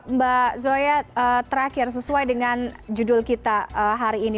mbak zoya terakhir sesuai dengan judul kita hari ini